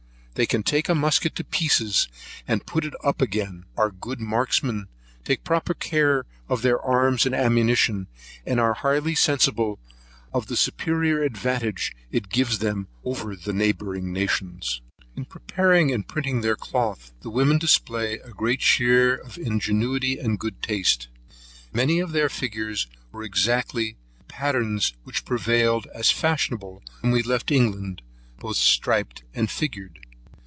They can take a musket to pieces, and put it up again; are good marksmen, take proper care of their arms and ammunition; and are highly sensible of the superior advantage it gives them over the neighbouring nations. In the preparing and printing their cloth, the women display a great share of ingenuity and good taste. Many of their figures were exactly the patterns which prevailed, as fashionable, when we left England, both striped and figured.